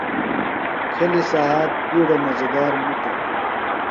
کھیلیُ سھات بِیڈوۡ مزہ دار مُتوۡ۔